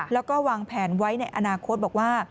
แล้วก็วางแผนไว้ในอนาคตบอกว่า